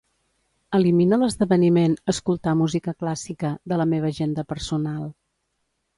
Elimina l'esdeveniment "escoltar música clàssica" de la meva agenda personal.